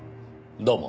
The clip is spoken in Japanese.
どうも。